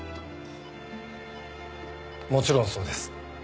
もちろんそうです。